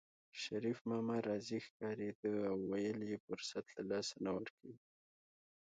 شريف ماما راضي ښکارېده او ویل یې فرصت له لاسه ورنکړو